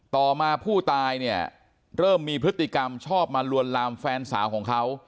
ต่อมาผู้ตายเนี่ยเริ่มมีพฤติกรรมชอบมาลวนลามแฟนสาวของเขา